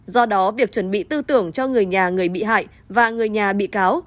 do đó việc chuẩn bị tư tưởng cho người nhà người bị hại và người nhà bị cáo